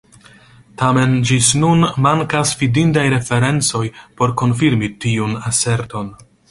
Tamen ĝis nun mankas fidindaj referencoj por konfirmi tiun aserton.